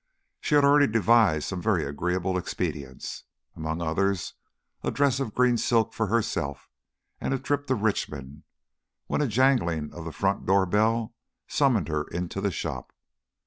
She had already devised some very agreeable expedients, among others a dress of green silk for herself and a trip to Richmond, when a jangling of the front door bell summoned her into the shop.